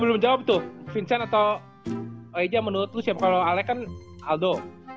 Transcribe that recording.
belum jawab tuh vincent atau eja menurut lu sih kalo alec kan aldo